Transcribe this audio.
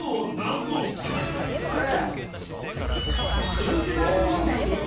クロスワード問題です